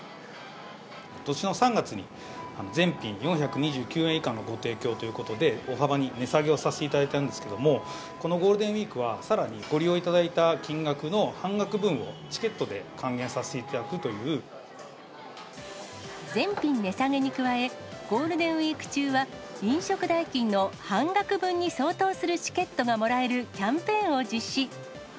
ことしの３月に全品４２９円以下のご提供ということで、大幅に値下げをさせていただいたんですけれども、このゴールデンウィークは、さらにご利用いただいた金額の半額分を、チケットで全品値下げに加え、ゴールデンウィーク中は飲食代金の半額分に相当するチケットがもらえるキャンペーンを実施。